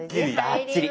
バッチリ！